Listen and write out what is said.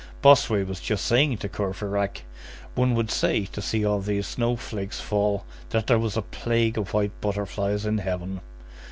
Bossuet was just saying to Courfeyrac:— "One would say, to see all these snow flakes fall, that there was a plague of white butterflies in heaven."